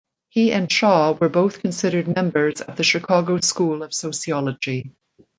He and Shaw were both considered members of the Chicago School of sociology.